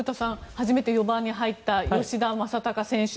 初めて４番に入った吉田正尚選手